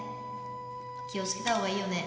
気をつけたほうがいいよね